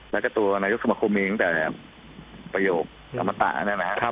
แล้วก็ตัวนายกสมคมเองตั้งแต่ประโยคธรรมตา